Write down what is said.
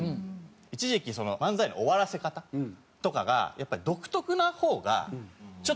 一時期漫才の終わらせ方とかがやっぱり独特な方がちょっと面白いよねみたいな。